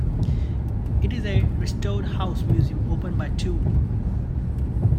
It is a restored house museum open by tour.